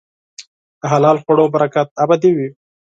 د حلال خوړو برکت ابدي وي.